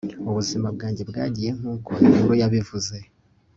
Ubuzima bwanjye bwagiye nkuko inkuru yabivuze